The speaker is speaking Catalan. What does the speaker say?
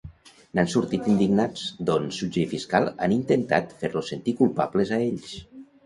N'han sortit indignats, doncs jutge i fiscal han intentat fer-los sentir culpables a ells.